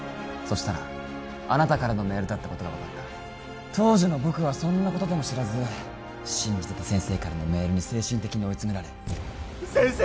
したらあなたからのメールだってことが分かった当時の僕はそんなこととも知らず信じてた先生からのメールに精神的に追いつめられ先生